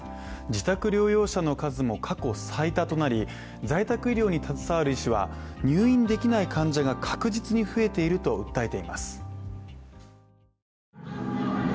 自宅療養者の数も過去最多になり在宅医療に携わる医師は入院できない患者が確実に増えていると訴えています。